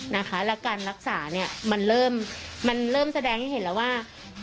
แล้วการรักษามันเริ่มแสดงให้เห็นแล้วว่า